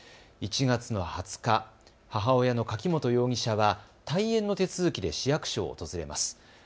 １月の２０日母親の柿本容疑者は退園の手続きで市役所を訪れます。